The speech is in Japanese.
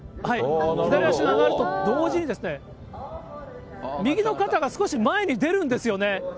左足が上がると同時に、右の肩が少し前に出るんですよね。